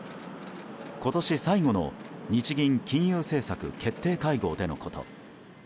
今年最後の日銀金融政策決定会合でのこと。